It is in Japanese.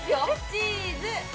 チーズ！